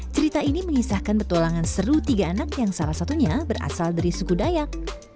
cerita ini mengisahkan petualangan seru tiga anak yang salah satunya berasal dari suku dayak